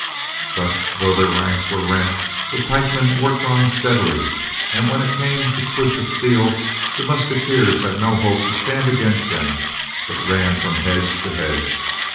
But though their ranks were rent, the pikemen worked on steadily, and when it came to push of steel the musketeers had no hope to stand against them, but ran from hedge to hedge.